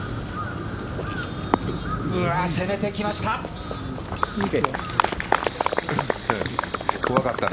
攻めてきました！